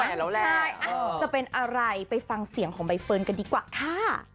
ใช่แล้วแหละจะเป็นอะไรไปฟังเสียงของใบเฟิร์นกันดีกว่าค่ะ